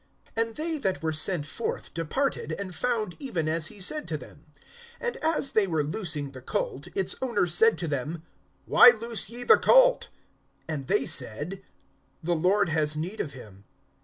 (32)And they that were sent forth departed, and found even as he said to them. (33)And as they were loosing the colt, its owners said to them: Why loose ye the colt? (34)And they said: The Lord has need of him.